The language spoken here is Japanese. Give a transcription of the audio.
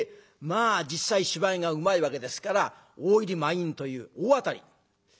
実際芝居がうまいわけですから大入り満員という大当たり。